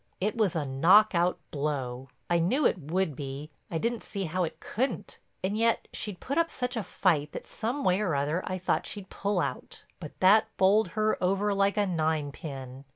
It was a knock out blow. I knew it would be—I didn't see how it couldn't—and yet she'd put up such a fight that some way or other I thought she'd pull out. But that bowled her over like a nine pin.